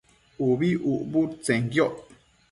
ubi ucbudtsenquioc